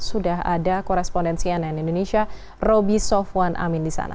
sudah ada korespondensi ann indonesia roby sofwan amin di sana